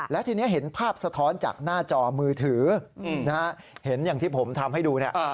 แล้วทีนี้เห็นภาพสะท้อนจากหน้าจอมือถือเห็นอย่างที่ผมทำให้ดูเนี่ย